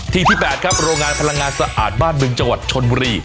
ที่ที่๘ครับโรงงานพลังงานสะอาดบ้านบึงจังหวัดชนบุรี